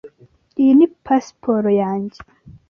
Iyi ni pasiporo yanjye?